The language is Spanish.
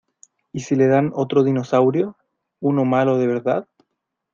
¿ Y si le dan otro dinosaurio? ¿ uno malo de verdad ?